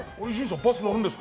バス乗るんですか？